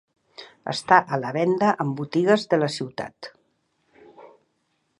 Està a la venda en botigues de la ciutat.